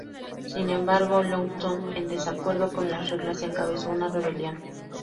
Sin embargo, Longshot en desacuerdo con las reglas, encabezó una rebelión.